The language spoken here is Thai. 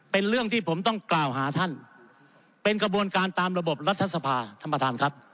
เป็นเรื่องที่ผมต้องกล่าวหาท่านเป็นกระบวนการตามระบบรัฐสภาท่านประธานครับ